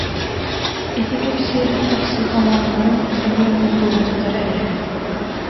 Ити кэп- сиир тахсыхамааннарыҥ эмиэ оннук буолуохтара ээ